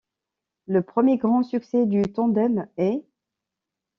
Le premier grand succès du tandem est '.